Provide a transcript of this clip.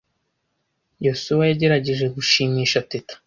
Yosuwa yagerageje gushimisha Teta .